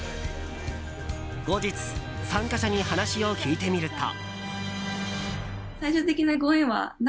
後日、参加者に話を聞いてみると。